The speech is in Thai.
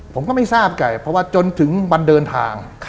ผมก็ไม่ทราบไก่เพราะว่าจนถึงวันเดินทาง